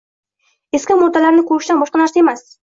Eski murdalarni ko’rishdan boshqa narsa emas…